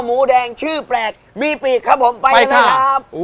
มูดแดงชื่อแปลกมีปี๊กครับผมไปละครับ